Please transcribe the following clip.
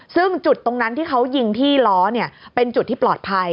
ซึ่งจุดตรงนั้นที่เขายิงที่ล้อเป็นจุดที่ปลอดภัย